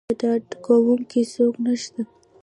د ډاډکوونکي څوک نه شته.